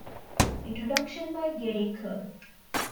Introduction by Gary Kern.